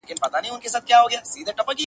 چي ونه کړي یو له بل سره جنګونه-